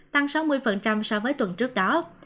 tăng sáu mươi so với tuần trước đó